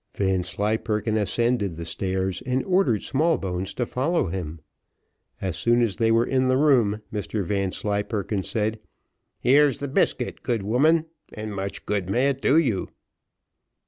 Vanslyperken ascended the stairs, and ordered Smallbones to follow him. As soon as they were in the room, Mr Vanslyperken said, "Here is the biscuit, good woman, and much good may it do you."